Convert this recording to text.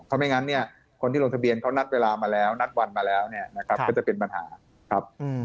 เพราะไม่งั้นคนที่ลงทะเบียนเขานัดเวลามาแล้วนัดวันมาแล้วก็จะเป็นปัญหา